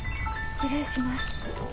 失礼します。